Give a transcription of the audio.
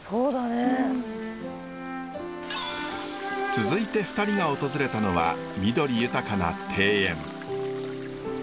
続いて２人が訪れたのは緑豊かな庭園。